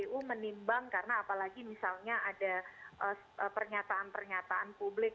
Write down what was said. kpu menimbang karena apalagi misalnya ada pernyataan pernyataan publik